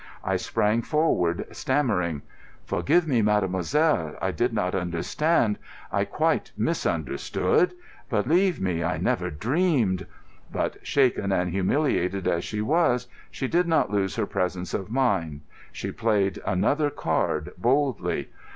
I sprang forward, stammering. "Forgive me, mademoiselle, I did not understand—I quite misunderstood. Believe me, I never dreamed——" But, shaken and humiliated as she was, she did not lose her presence of mind. She played another card boldly.